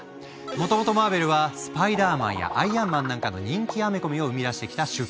もともと「マーベル」は「スパイダーマン」や「アイアンマン」なんかの人気アメコミを生み出してきた出版社。